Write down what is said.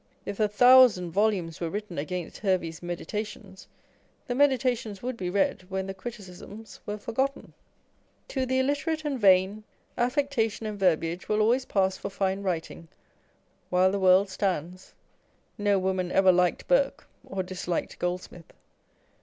If a thousand volumes were written against Hervey's Medi tations, the Meditations would be read when the criticisms were forgotten. To the illiterate and vain, affectation and verbiage will always pass for fine writing, while the world stands. No woman ever liked Burke, or disliked Gold smith.